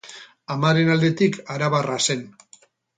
Amaren aldetik arabarra zen.